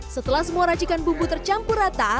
setelah semua racikan bumbu tercampur rata